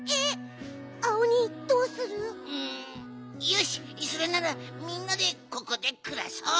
よしそれならみんなでここでくらそう！